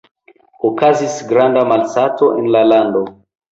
Okazis granda malsato en la lando.